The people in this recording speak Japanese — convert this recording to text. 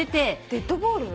デッドボール？